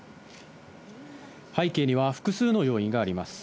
背景には、複数の要因があります。